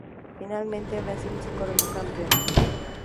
Finalmente, Brasil se coronó campeón.